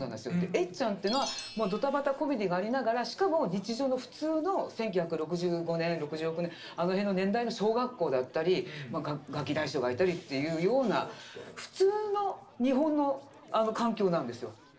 エッちゃんというのはもうドタバタコメディーがありながらしかも日常の普通の１９６５年６６年あの辺の年代の小学校だったりガキ大将がいたりというような普通の日本の環境なんですよ。